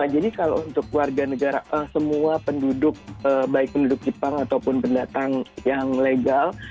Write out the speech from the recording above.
jadi kalau untuk warga negara semua penduduk baik penduduk jepang ataupun pendatang yang legal